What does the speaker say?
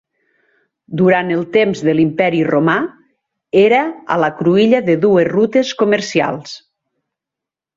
Durant el temps de l'Imperi Romà, era a la cruïlla de dues rutes comercials.